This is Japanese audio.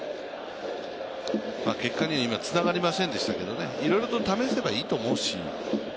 結果に今、つながりませんでしたけどね、いろいろと試せばいいと思うし。